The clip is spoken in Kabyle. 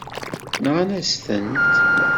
Nɣan-asen-tent.